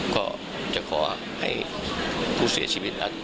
ก็จะขอให้ผู้เสียชีวิต